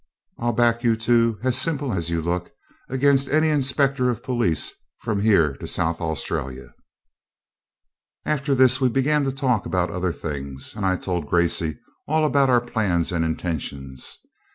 I'll back you two, as simple as you look, against any inspector of police from here to South Australia.' After this we began to talk about other things, and I told Gracey all about our plans and intentions.